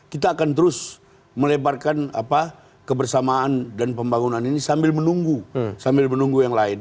kita akan terus melebarkan kebersamaan dan pembangunan ini sambil menunggu sambil menunggu yang lain